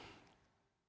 ini kan periode kekejangan